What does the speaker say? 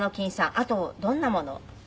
あとどんなもの？